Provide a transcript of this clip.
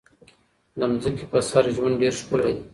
د ځمکې په سر ژوند ډېر ښکلی دی.